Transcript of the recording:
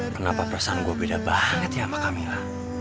kenapa perasaan gua beda banget ya sama kamila